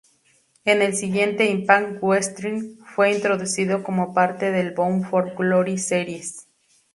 En el siguiente "Impact Wrestling", fue introducido como parte del "Bound for Glory Series".